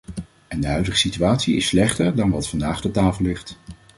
En de huidige situatie is slechter dan wat vandaag ter tafel ligt.